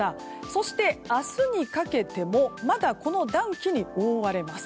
そして明日にかけてもまだこの暖気に覆われます。